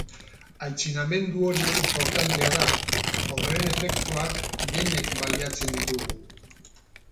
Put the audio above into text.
Aitzinamendu hori inportantea da, horren efektuak denek baliatzen ditugu.